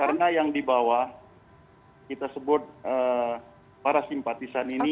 karena yang di bawah kita sebut para simpatisan ini